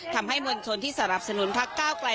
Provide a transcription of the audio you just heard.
ทำให้บริษัทที่สนับสนุนทักเก้าไกล